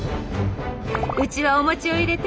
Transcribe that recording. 「うちはお餅を入れて」